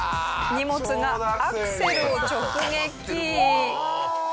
荷物がアクセルを直撃。